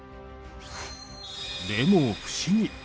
でも不思議。